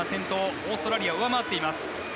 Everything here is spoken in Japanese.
オーストラリアを上回っています。